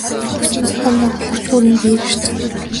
Пүүсийн зохион байгуулагч өөрийн биеэр иржээ.